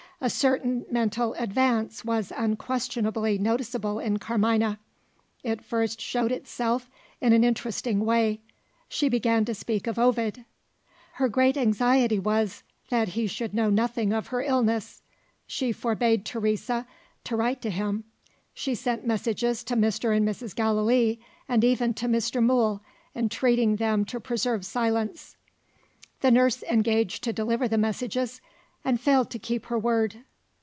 A certain mental advance was unquestionably noticeable in Carmina. It first showed itself in an interesting way: she began to speak of Ovid. Her great anxiety was, that he should know nothing of her illness. She forbade Teresa to write to him; she sent messages to Mr. and Mrs. Gallilee, and even to Mr. Mool, entreating them to preserve silence. The nurse engaged to deliver the messages and failed to keep her word.